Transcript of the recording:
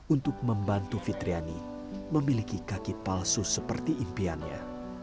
untuk membantu fitriani memiliki kaki palsu seperti impiannya